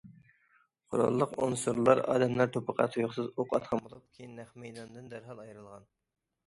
قوراللىق ئۇنسۇرلار ئادەملەر توپىغا تۇيۇقسىز ئوق ئاتقان بولۇپ، كېيىن نەق مەيداندىن دەرھال ئايرىلغان.